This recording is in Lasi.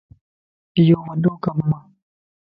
يو وڏو ڪم ا